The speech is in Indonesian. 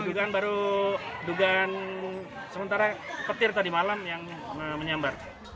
dugaan baru dugaan sementara petir tadi malam yang menyambar